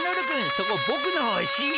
そこぼくのおしり。